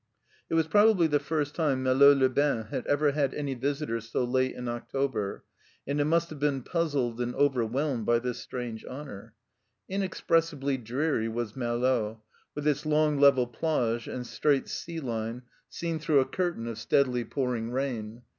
It was probably the first time Malo les Bains had ever had any visitors so late in October, and it must have been puzzled and overwhelmed by this strange honour. Inexpressibly dreary was Malo, with its long level plage and straight sea line, seen through a curtain of steadily pouring rain.